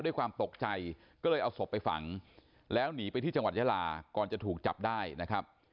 ด้วยความตกใจก็เลยเอาศพไปฝังแล้วหนีไปที่จังหวัดยาลาก่อนจะถูกจับได้นะครับ